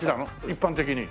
一般的に。